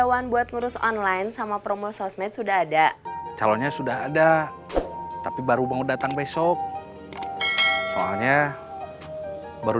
untuk mendapatkan video terbaru